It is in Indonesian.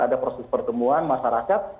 ada proses pertemuan masyarakat